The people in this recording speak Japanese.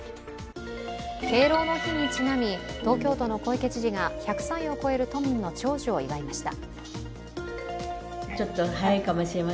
敬老の日にちなみ、東京都の小池知事が１００歳を超える都民の長寿を祝いました。